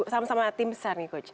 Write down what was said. sama sama tim besar nih coach